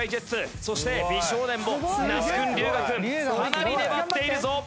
そして美少年も那須君龍我君かなり粘っているぞ！